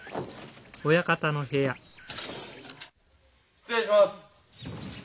・失礼します！